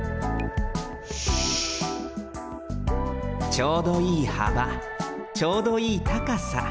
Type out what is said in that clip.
ちょうどいいはばちょうどいいたかさ。